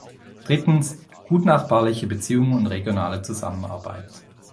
Drittens, gutnachbarliche Beziehungen und regionale Zusammenarbeit.